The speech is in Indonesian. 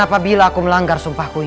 dan apabila aku melanggar sumpahku ini